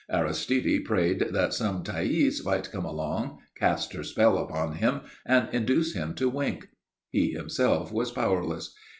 Aristide prayed that some Thaïs might come along, cast her spell upon him, and induce him to wink. He himself was powerless.